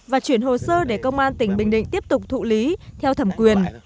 và chuyển hồ sơ để công an tỉnh bình định tiếp tục thụ lý theo thẩm quyền